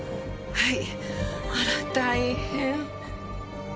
はい。